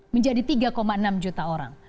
menjadi tiga enam juta orang